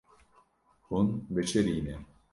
Hûn bişirîne.